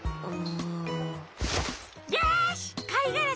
よしかいがら